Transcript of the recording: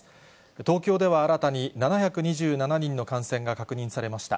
東京では新たに７２７人の感染が確認されました。